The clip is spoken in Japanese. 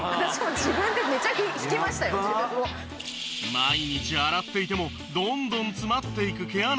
毎日洗っていてもどんどん詰まっていく毛穴の汚れ。